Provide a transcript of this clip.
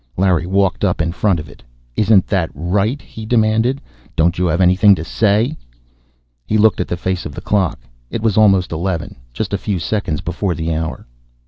Larry walked up in front of it. "Isn't that right?" he demanded. "Don't you have anything to say?" He looked at the face of the clock. It was almost eleven, just a few seconds before the hour.